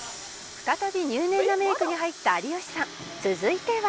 「再び入念なメイクに入った有吉さん」「続いては」